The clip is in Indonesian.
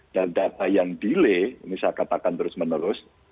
dan data yang delay misalkan katakan terus menerus